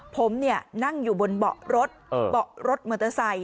ผมนั่งอยู่บนเบาะรถเบาะรถมอเตอร์ไซค